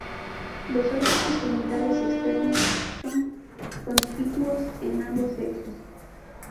Los órganos genitales externos son conspicuos en ambos sexos.